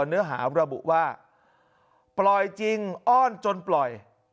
เนื้อหาระบุว่าปล่อยจริงอ้อนจนปล่อย